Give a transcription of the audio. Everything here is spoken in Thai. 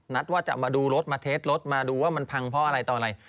ว่าจะมาดูรถมาเทสรถมาดูว่ามันพังเพราะอะไรต่ออะไร